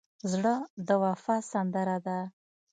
زړه د وفا سندره ده.